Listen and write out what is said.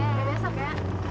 sampai besok ya